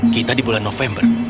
kita di bulan november